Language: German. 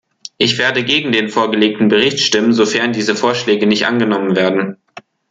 Ich werde gegen den vorgelegten Bericht stimmen, sofern diese Vorschläge nicht angenommen werden.